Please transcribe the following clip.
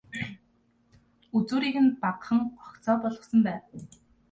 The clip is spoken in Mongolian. Үзүүрийг нь багахан гогцоо болгосон байв.